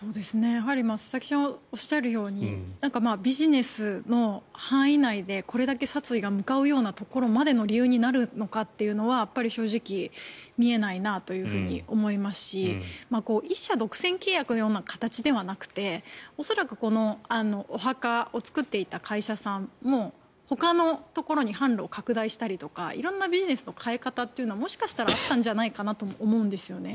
佐々木さんがおっしゃるようにビジネスの範囲内でこれだけ殺意が向かうようなところまでの理由になるのかというのは正直、見えないなと思いますし１社独占契約のような形ではなくて恐らく、お墓を作っていた会社さんもほかのところに販路を拡大したりとか色んなビジネスの変え方というのはもしかしたらあったんじゃないかなとも思うんですよね。